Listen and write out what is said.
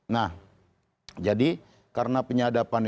nah jadi karena penyadapan